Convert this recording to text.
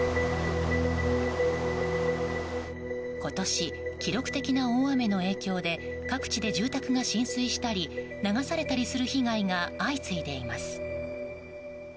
今年、記録的な大雨の影響で各地で住宅が浸水したり流されたりする被害が相次いでいます。